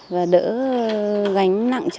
và đỡ gánh nặng cho họ